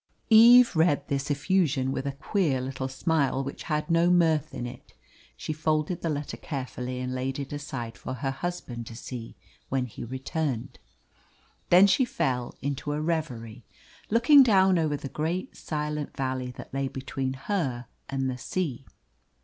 Eve read this effusion with a queer little smile which had no mirth in it. She folded the letter carefully and laid it aside for her husband to see when he returned. Then she fell into a reverie, looking down over the great silent valley that lay between her and the sea.